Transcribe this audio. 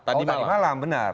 tadi malam benar